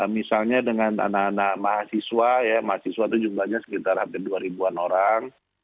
misalnya dengan anak anak mahasiswa mahasiswa jumlahnya sekitar hampir dua ribuan orang